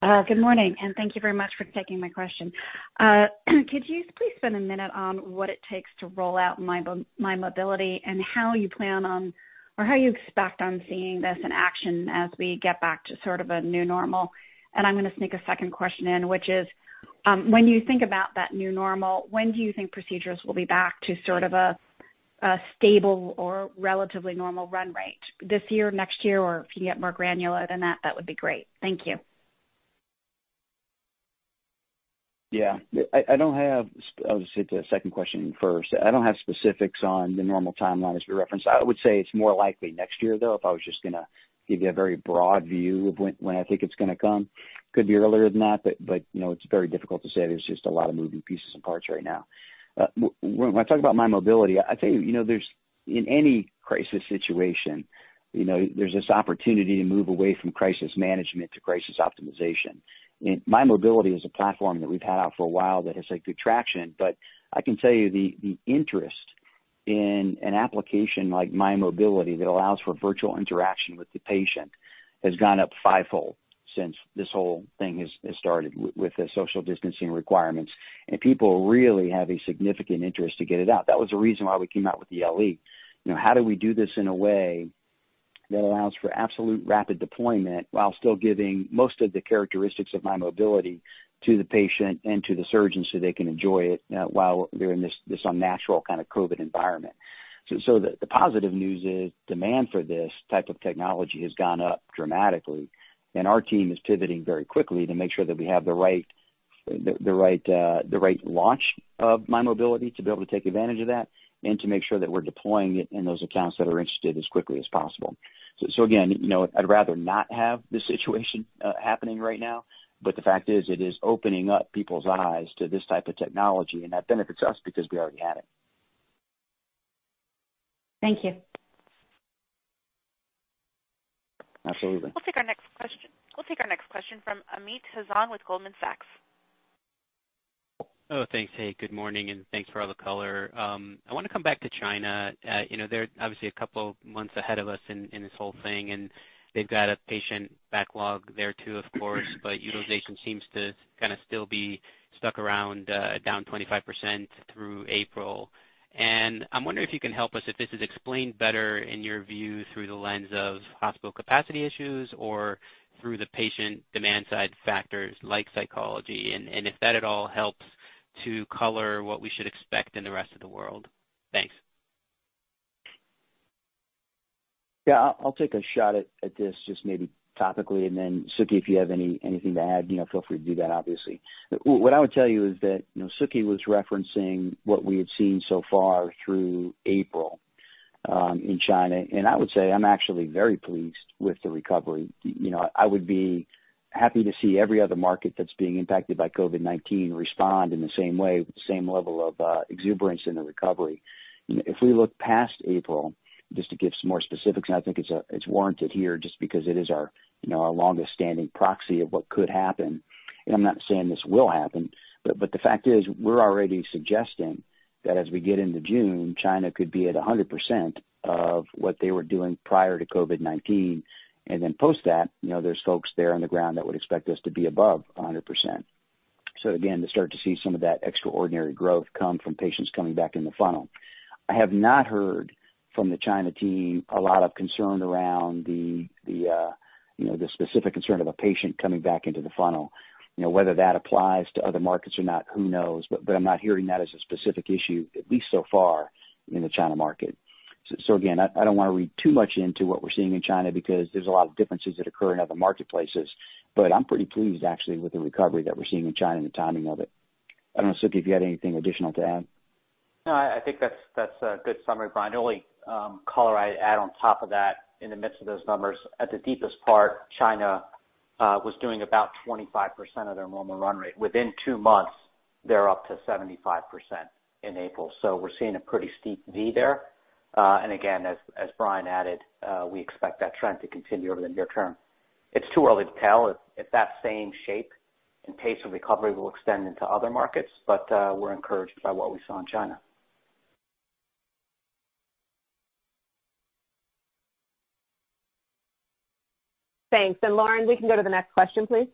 Good morning. Thank you very much for taking my question. Could you please spend a minute on what it takes to roll out MyMobility and how you plan on or how you expect on seeing this in action as we get back to sort of a new normal? I'm going to sneak a second question in, which is, when you think about that new normal, when do you think procedures will be back to sort of a stable or relatively normal run rate? This year, next year, or if you can get more granular than that, that would be great. Thank you. Yeah. I do not have—I will just hit the second question first. I do not have specifics on the normal timeline as we referenced. I would say it is more likely next year, though, if I was just going to give you a very broad view of when I think it is going to come. It could be earlier than that, but it is very difficult to say. There is just a lot of moving pieces and parts right now. When I talk about MyMobility, I tell you, in any crisis situation, there is this opportunity to move away from crisis management to crisis optimization. MyMobility is a platform that we have had out for a while that has had good traction. I can tell you the interest in an application like MyMobility that allows for virtual interaction with the patient has gone up fivefold since this whole thing has started with the social distancing requirements. People really have a significant interest to get it out. That was the reason why we came out with the LE. How do we do this in a way that allows for absolute rapid deployment while still giving most of the characteristics of MyMobility to the patient and to the surgeon so they can enjoy it while they're in this unnatural kind of COVID environment? The positive news is demand for this type of technology has gone up dramatically. Our team is pivoting very quickly to make sure that we have the right launch of MyMobility to be able to take advantage of that and to make sure that we're deploying it in those accounts that are interested as quickly as possible. I'd rather not have this situation happening right now. The fact is, it is opening up people's eyes to this type of technology. That benefits us because we already had it. Thank you. Absolutely. We'll take our next question. We'll take our next question from Amit Hazan with Goldman Sachs. Oh, thanks. Hey, good morning. Thanks for all the color. I want to come back to China. They're obviously a couple of months ahead of us in this whole thing. They've got a patient backlog there too, of course. Utilization seems to kind of still be stuck around down 25% through April. I'm wondering if you can help us if this is explained better in your view through the lens of hospital capacity issues or through the patient demand side factors like psychology. If that at all helps to color what we should expect in the rest of the world. Thanks. Yeah. I'll take a shot at this just maybe topically. Then, Suky, if you have anything to add, feel free to do that, obviously. What I would tell you is that Suky was referencing what we had seen so far through April in China. I would say I'm actually very pleased with the recovery. I would be happy to see every other market that's being impacted by COVID-19 respond in the same way with the same level of exuberance in the recovery. If we look past April, just to give some more specifics, and I think it's warranted here just because it is our longest-standing proxy of what could happen. I'm not saying this will happen. The fact is, we're already suggesting that as we get into June, China could be at 100% of what they were doing prior to COVID-19. Post that, there's folks there on the ground that would expect us to be above 100%. Again, to start to see some of that extraordinary growth come from patients coming back in the funnel. I have not heard from the China team a lot of concern around the specific concern of a patient coming back into the funnel. Whether that applies to other markets or not, who knows? I'm not hearing that as a specific issue, at least so far, in the China market. Again, I do not want to read too much into what we are seeing in China because there are a lot of differences that occur in other marketplaces. I am pretty pleased, actually, with the recovery that we are seeing in China and the timing of it. I do not know, Suky, if you had anything additional to add. No, I think that is a good summary, Bryan. Really no color to add on top of that. In the midst of those numbers, at the deepest part, China was doing about 25% of their normal run rate. Within two months, they are up to 75% in April. We are seeing a pretty steep V there. As Bryan added, we expect that trend to continue over the near term. It is too early to tell if that same shape and pace of recovery will extend into other markets. We are encouraged by what we saw in China. Thanks. Lauren, we can go to the next question, please.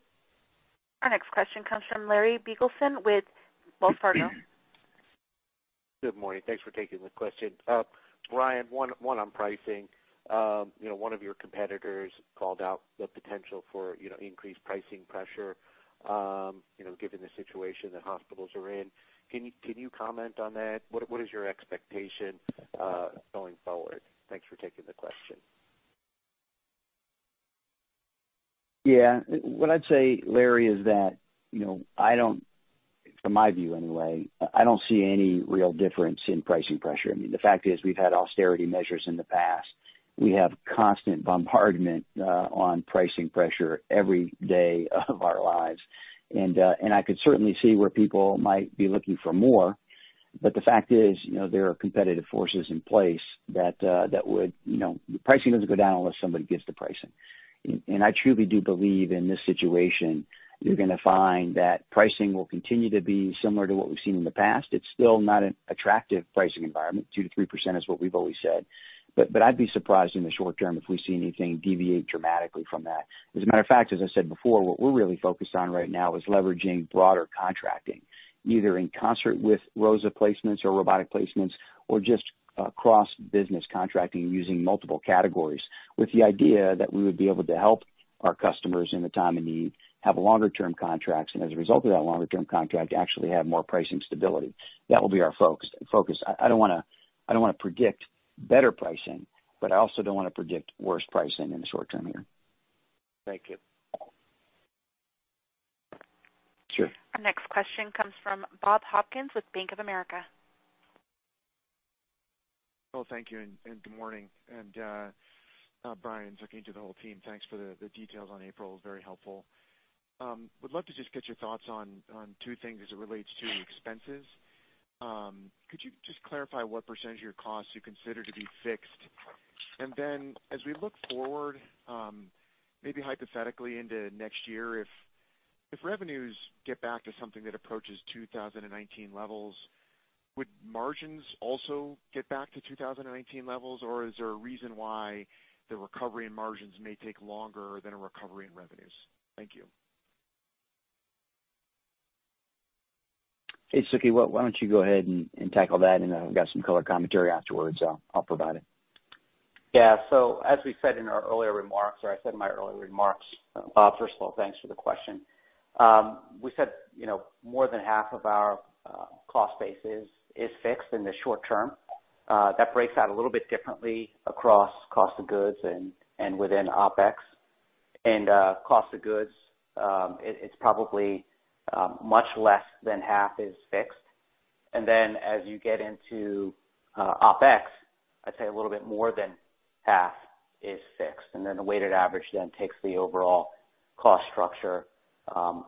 Our next question comes from Larry Biegelsen with Wells Fargo. Good morning. Thanks for taking the question. Bryan, one on pricing. One of your competitors called out the potential for increased pricing pressure given the situation that hospitals are in. Can you comment on that? What is your expectation going forward? Thanks for taking the question. Yeah. What I'd say, Larry, is that from my view anyway, I don't see any real difference in pricing pressure. I mean, the fact is, we've had austerity measures in the past. We have constant bombardment on pricing pressure every day of our lives. I could certainly see where people might be looking for more. The fact is, there are competitive forces in place that would pricing doesn't go down unless somebody gets the pricing. I truly do believe in this situation, you're going to find that pricing will continue to be similar to what we've seen in the past. It's still not an attractive pricing environment. 2-3% is what we've always said. I'd be surprised in the short term if we see anything deviate dramatically from that. As a matter of fact, as I said before, what we're really focused on right now is leveraging broader contracting, either in concert with ROSA placements or robotic placements or just cross-business contracting using multiple categories with the idea that we would be able to help our customers in the time of need, have longer-term contracts, and as a result of that longer-term contract, actually have more pricing stability. That will be our focus. I do not want to predict better pricing, but I also do not want to predict worse pricing in the short term here. Thank you. Sure. Our next question comes from Bob Hopkins with Bank of America. Thank you. Good morning. Bryan, Suky, to the whole team, thanks for the details on April. It was very helpful. Would love to just get your thoughts on two things as it relates to expenses. Could you just clarify what percentage of your costs you consider to be fixed? As we look forward, maybe hypothetically into next year, if revenues get back to something that approaches 2019 levels, would margins also get back to 2019 levels? Is there a reason why the recovery in margins may take longer than a recovery in revenues? Thank you. Hey, Suky, why do you not go ahead and tackle that? I've got some color commentary afterwards. I'll provide it. Yeah. As we said in our earlier remarks, or I said in my earlier remarks, first of all, thanks for the question. We said more than half of our cost base is fixed in the short term. That breaks out a little bit differently across cost of goods and within OpEx. In cost of goods, it's probably much less than half is fixed. As you get into OpEx, I'd say a little bit more than half is fixed. The weighted average then takes the overall cost structure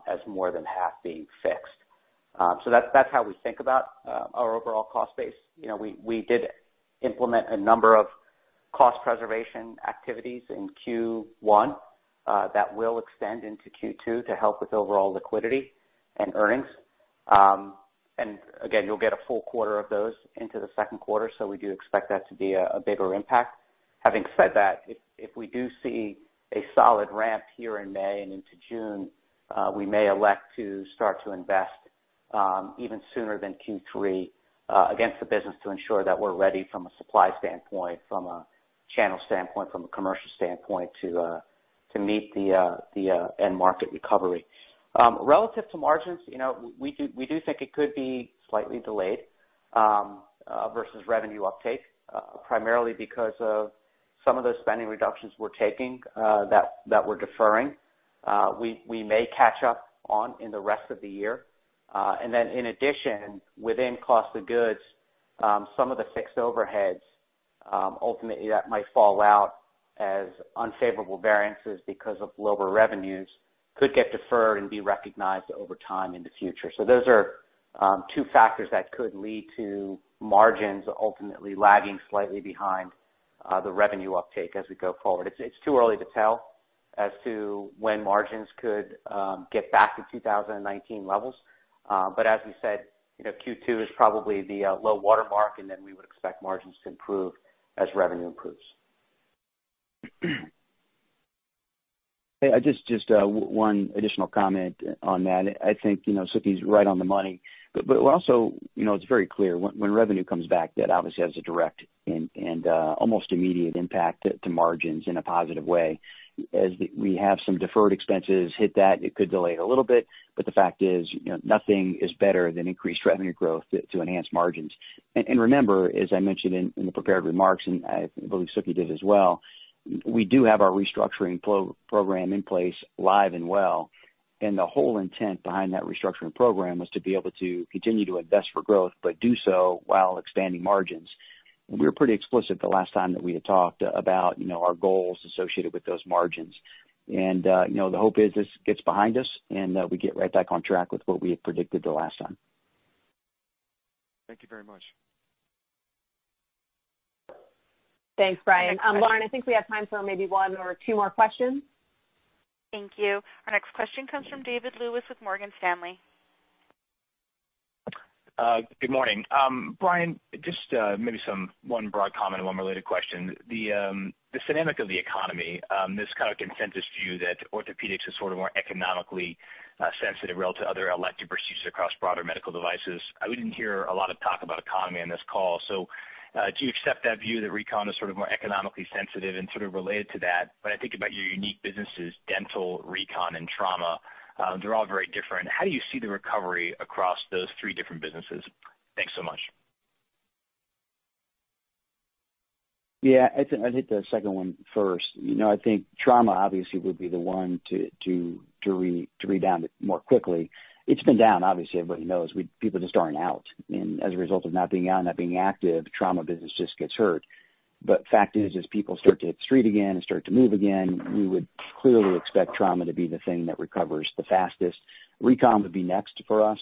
as more than half being fixed. That's how we think about our overall cost base. We did implement a number of cost preservation activities in Q1 that will extend into Q2 to help with overall liquidity and earnings. You will get a full quarter of those into the second quarter. We do expect that to be a bigger impact. Having said that, if we do see a solid ramp here in May and into June, we may elect to start to invest even sooner than Q3 against the business to ensure that we are ready from a supply standpoint, from a channel standpoint, from a commercial standpoint to meet the end market recovery. Relative to margins, we do think it could be slightly delayed versus revenue uptake, primarily because of some of those spending reductions we are taking that we are deferring. We may catch up on those in the rest of the year. In addition, within cost of goods, some of the fixed overheads that might fall out as unfavorable variances because of lower revenues could get deferred and be recognized over time in the future. Those are two factors that could lead to margins ultimately lagging slightly behind the revenue uptake as we go forward. It's too early to tell as to when margins could get back to 2019 levels. As we said, Q2 is probably the low watermark. We would expect margins to improve as revenue improves. Hey, just one additional comment on that. I think Suky is right on the money. Also, it's very clear when revenue comes back, that obviously has a direct and almost immediate impact to margins in a positive way. As we have some deferred expenses hit that, it could delay it a little bit. The fact is, nothing is better than increased revenue growth to enhance margins. Remember, as I mentioned in the prepared remarks, and I believe Suky did as well, we do have our restructuring program in place, live and well. The whole intent behind that restructuring program was to be able to continue to invest for growth but do so while expanding margins. We were pretty explicit the last time that we had talked about our goals associated with those margins. The hope is this gets behind us and we get right back on track with what we had predicted the last time. Thank you very much. Thanks, Bryan. Lauren, I think we have time for maybe one or two more questions. Thank you. Our next question comes from David Lewis with Morgan Stanley. Good morning. Bryan, just maybe one broad comment, one related question. The dynamic of the economy, this kind of consensus view that orthopedics is sort of more economically sensitive relative to other elective procedures across broader medical devices. We did not hear a lot of talk about economy on this call. Do you accept that view that recon is sort of more economically sensitive and sort of related to that? I think about your unique businesses, dental, recon, and trauma. They are all very different. How do you see the recovery across those three different businesses? Thanks so much. Yeah. I would hit the second one first. I think trauma obviously would be the one to rebound more quickly. It has been down, obviously. Everybody knows. People just are not out. As a result of not being out, not being active, trauma business just gets hurt. The fact is, as people start to hit the street again and start to move again, we would clearly expect trauma to be the thing that recovers the fastest. Recon would be next for us.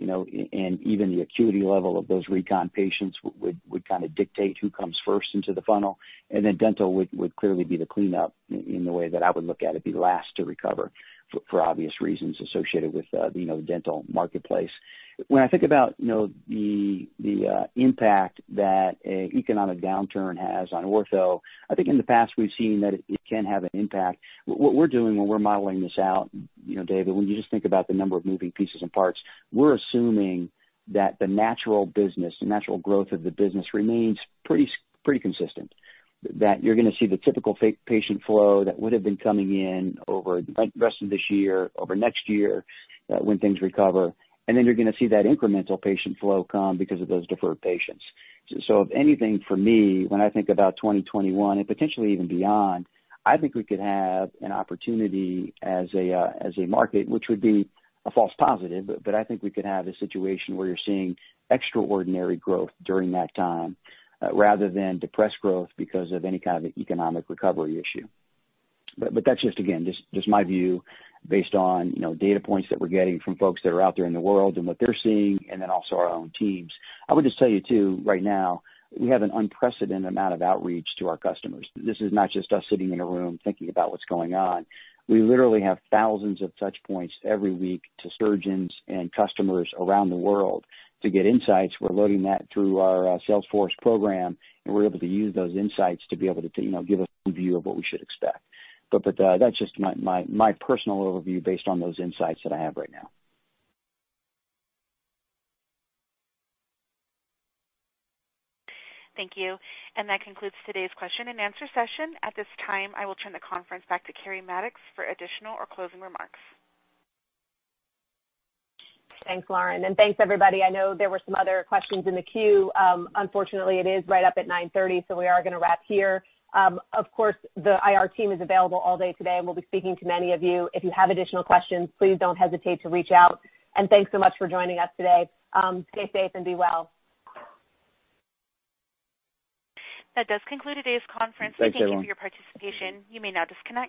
Even the acuity level of those recon patients would kind of dictate who comes first into the funnel. Dental would clearly be the cleanup in the way that I would look at it, be last to recover for obvious reasons associated with the dental marketplace. When I think about the impact that an economic downturn has on ortho, I think in the past we have seen that it can have an impact. What we are doing when we are modeling this out, David, when you just think about the number of moving pieces and parts, we are assuming that the natural business, the natural growth of the business remains pretty consistent. That you're going to see the typical patient flow that would have been coming in over the rest of this year, over next year when things recover. You are going to see that incremental patient flow come because of those deferred patients. If anything, for me, when I think about 2021 and potentially even beyond, I think we could have an opportunity as a market, which would be a false positive. I think we could have a situation where you're seeing extraordinary growth during that time rather than depressed growth because of any kind of economic recovery issue. That is just, again, just my view based on data points that we're getting from folks that are out there in the world and what they're seeing and then also our own teams. I would just tell you too, right now, we have an unprecedented amount of outreach to our customers. This is not just us sitting in a room thinking about what's going on. We literally have thousands of touch points every week to surgeons and customers around the world to get insights. We're loading that through our Salesforce program. And we're able to use those insights to be able to give us a view of what we should expect. But that's just my personal overview based on those insights that I have right now. Thank you. That concludes today's question and answer session. At this time, I will turn the conference back to Keri Mattox for additional or closing remarks. Thanks, Lauren. Thanks, everybody. I know there were some other questions in the queue. Unfortunately, it is right up at 9:30. We are going to wrap here. Of course, the IR team is available all day today. We will be speaking to many of you. If you have additional questions, please do not hesitate to reach out. Thank you so much for joining us today. Stay safe and be well. That does conclude today's conference. Thank you for your participation. You may now disconnect.